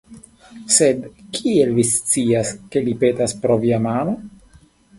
Sed, kiel vi scias, ke li petas pri via mano?